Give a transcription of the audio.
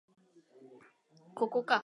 ここか